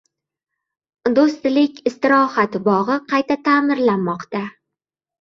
Do'stlik istiroxat bog'I qayta ta'mirlanmoqda.